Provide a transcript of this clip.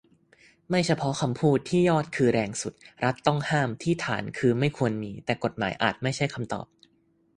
ไม่เฉพาะคำพูด ที่ยอดคือแรงสุด รัฐต้องห้าม ที่ฐานคือไม่ควรมี แต่กฎหมายอาจไม่ใช่คำตอบ